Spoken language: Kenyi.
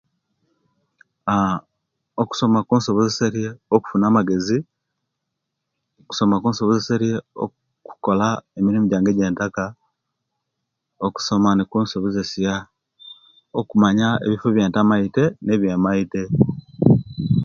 Aaa okusoma kunsobozeseriye okufuna amagezi, okusoma kunsobozeseriye okola emirimu jange ejentaka, okusoma be kunsobozesya okumanya ebifo ebintamaite nebimaite